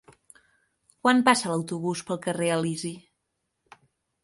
Quan passa l'autobús pel carrer Elisi?